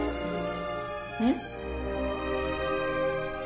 えっ？